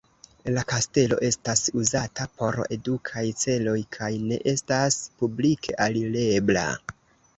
La kastelo estas uzata por edukaj celoj kaj ne estas publike alirebla.